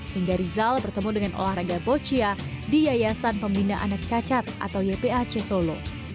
hingga rizal bertemu dengan olahraga boccia di yayasan pembina anak cacat atau ypac solo